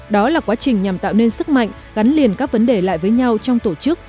đó là quá trình nhằm tạo nên sức mạnh gắn liền các vấn đề lại với nhau trong tổ chức